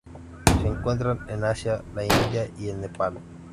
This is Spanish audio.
Se encuentran en Asia: la India y el Nepal.